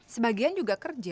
sebagian juga kerja